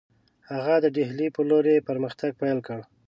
هغه د ډهلي پر لور یې پرمختګ پیل کړی.